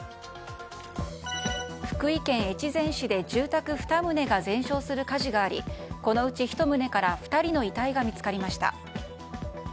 福井県越前市で住宅２棟が全焼する火事がありこのうち１棟から２人の遺体が見つかりました。